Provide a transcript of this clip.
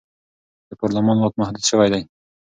د پارلمان واک محدود شوی و.